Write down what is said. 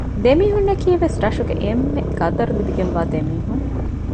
ދެ މީހުންނަކީވެސް ރަށުގެ އެންމެންގެ ޤަދަރު ލިބިގެންވާ ދެމީހުން